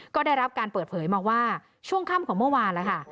ก็ได้รับการเปิดเผยมาว่าช่วงค่ำของเมื่อวานแล้วค่ะ